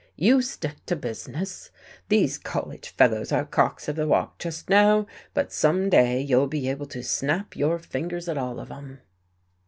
"You stick to business. These college fellows are cocks of the walk just now, but some day you'll be able to snap your fingers at all of 'em."